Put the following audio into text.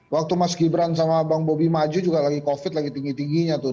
waktu mas gibran sama bang bobi maju juga lagi covid lagi tinggi tingginya tuh